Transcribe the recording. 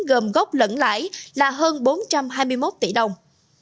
gồm gốc lẫn lãi là hơn bốn trăm hai mươi một tỷ đồng